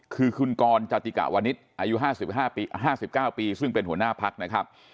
คือคุณกรจติกะวณิตอายุห้าสิบเก้าปีซึ่งเป็นหัวหน้าพรรคนะครับ